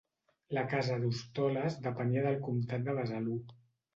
La casa d'Hostoles depenia del comtat de Besalú.